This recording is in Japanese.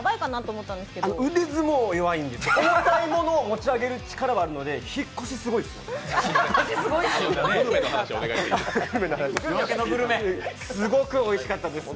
重たいものを持ち上げる力はあるので引っ越しはすごいですよ。